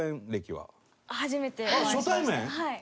はい。